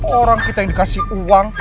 orang kita yang dikasih uang